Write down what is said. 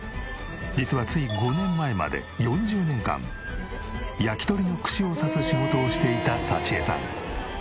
実はつい５年前まで４０年間焼き鳥の串を刺す仕事をしていたサチエさん。